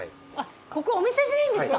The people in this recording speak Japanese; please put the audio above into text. ここお店じゃないんですか？